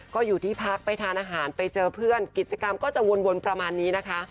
ก็อยู่ที่พักไปทานอาหารไปเจอเพื่อนกิจกรรมก็จะวนประมาณนี้นะคะ